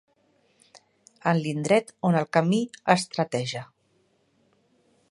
En l'indret on el camí estreteja.